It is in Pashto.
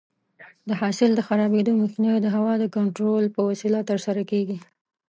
د حاصل د خرابېدو مخنیوی د هوا د کنټرول په وسیله ترسره کېږي.